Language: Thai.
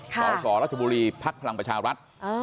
สสรัชบุรีภักดิ์พลังประชารัฐ